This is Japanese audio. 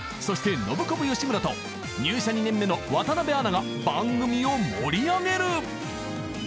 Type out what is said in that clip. ［そしてノブコブ吉村と入社２年目の渡邊アナが番組を盛り上げる］